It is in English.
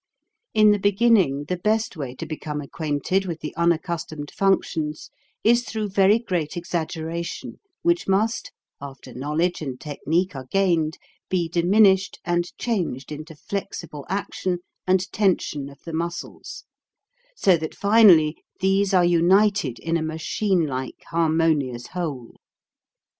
In the beginning, the best way to become acquainted with the unaccustomed functions is through very great exaggeration which must, after knowledge and technique are gained, be diminished and changed into flexible action and tension of the muscles, so that finally these are united in a machine like harmonious whole.